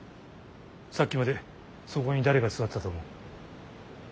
さっきまでそこに誰が座ってたと思う。